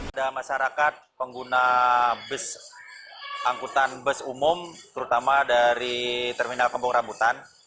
ada masyarakat pengguna bus angkutan bus umum terutama dari terminal kampung rambutan